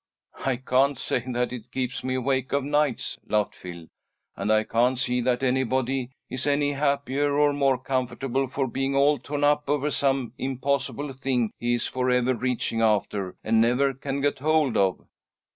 "I can't say that it keeps me awake of nights," laughed Phil. "And I can't see that anybody is any happier or more comfortable for being all torn up over some impossible thing he is for ever reaching after, and never can get hold of."